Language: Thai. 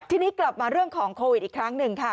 ทีนี้กลับมาเรื่องของโควิดอีกครั้งหนึ่งค่ะ